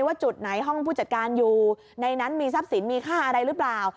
ว่าจุดไหนห้องผู้จัดการอยู่ในนั้นมีทรัพย์สินมีค่าอะไรหรือเปล่า